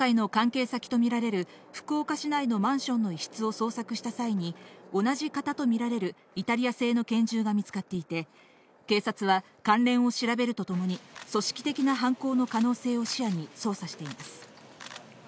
２０１１年、工藤会の関係先とみられる福岡市内のマンションの一室を捜索した際に同じ型とみられるイタリア製の拳銃が見つかっていて、警察は関連を調べるとともに、組織的な犯行の可能性を視野に捜査しています。